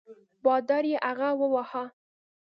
بادار یې هغه وواهه.